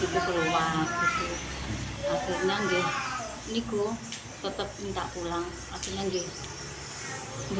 pulang udah diri riri mereka gak bisa mereka disitu keluar